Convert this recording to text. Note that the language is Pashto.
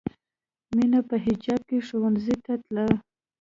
مینه په حجاب کې ښوونځي ته تله